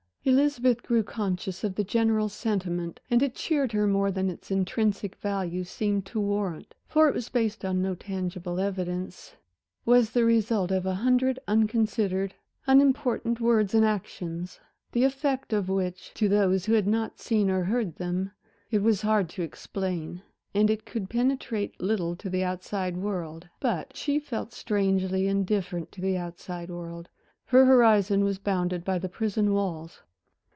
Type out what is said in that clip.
Elizabeth grew conscious of the general sentiment and it cheered her more than its intrinsic value seemed to warrant. For it was based on no tangible evidence, was the result of a hundred unconsidered, unimportant words and actions, the effect of which, to those who had not seen or heard them, it was hard to explain; and it could penetrate little to the outside world. But she felt strangely indifferent to the outside world. Her horizon was bounded by the prison walls.